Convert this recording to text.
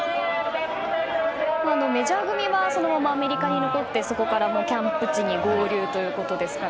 メジャー組はそのままアメリカに残ってそこからキャンプ地に合流ということですから。